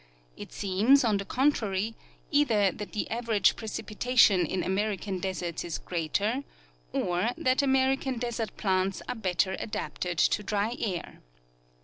It seems, on the contrary, either that the average precij)itation in American deserts is greater, or that American desert plants are better adapted to dry air.